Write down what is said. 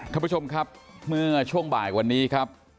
ท่านผู้ชมครับเมื่อช่วงบ่ายวันนี้ครับ